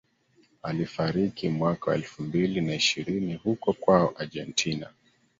Alifariki mwaka wa elfu mbili na ishirini huko kwao Argentina